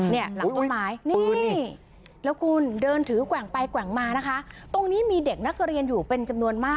หลังต้นไม้นี่แล้วคุณเดินถือแกว่งไปแกว่งมานะคะตรงนี้มีเด็กนักเรียนอยู่เป็นจำนวนมาก